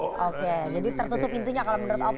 oke jadi tertutup intunya kalau menurut opung